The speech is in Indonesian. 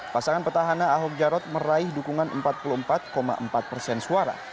pasangan petahana ahok jarot meraih dukungan empat puluh empat empat persen suara